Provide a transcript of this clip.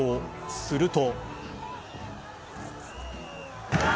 すると。